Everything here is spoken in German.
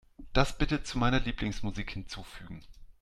Das bitte zu meiner Lieblingsmusik hinzufügen.